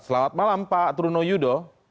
selamat malam pak truno yudo